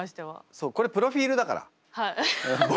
そうこれプロフィールだから。